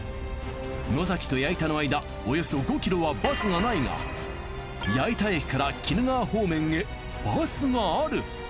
野崎と矢板の間およそ５ｋｍはバスがないが矢板駅から鬼怒川方面へバスがある。